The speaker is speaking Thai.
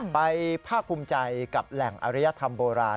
ภาคภูมิใจกับแหล่งอริยธรรมโบราณ